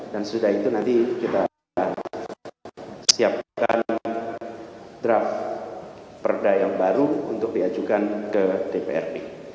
dan sudah itu nanti kita siapkan draft perda yang baru untuk diajukan ke dprp